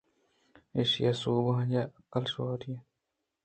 ایشی ءِ سَوَب آئی ءِ عقل ءُ شیواری اِنت